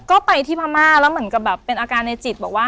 ก็ไปที่พม่าแล้วเหมือนกับแบบเป็นอาการในจิตบอกว่า